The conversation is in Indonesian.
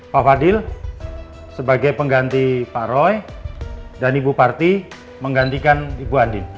pak fadil sebagai pengganti pak roy dan ibu parti menggantikan ibu andi